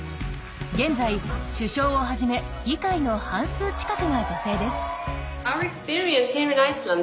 現在首相をはじめ議会の半数近くが女性です。